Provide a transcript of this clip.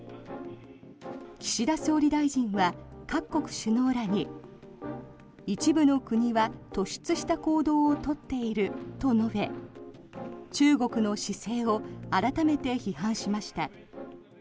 岸田総理大臣は各国首脳らに一部の国は突出した行動を取っていると述べ中国の姿勢を改めて批判しました。